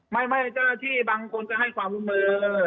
ไม่เจ้าหน้าที่บางคนก็ให้ความร่วมมือ